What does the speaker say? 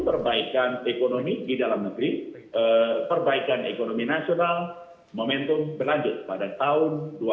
perbaikan ekonomi di dalam negeri perbaikan ekonomi nasional momentum berlanjut pada tahun dua ribu dua puluh